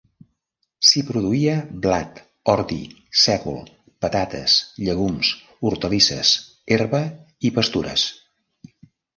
S'hi produïa blat, ordi, sègol, patates, llegums, hortalisses, herba i pastures.